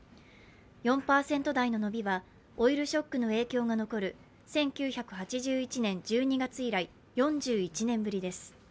４％台の伸びはオイルショックの影響が残る１９８１年１２月以来、４１年ぶりです。